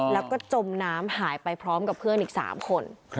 แล้วก็จมน้ำหายไปพร้อมกับเพื่อนอีก๓คน